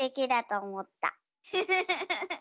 フフフフフ。